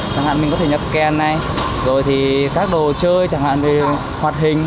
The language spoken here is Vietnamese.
chẳng hạn mình có thể nhập kèn này rồi thì các đồ chơi chẳng hạn hoạt hình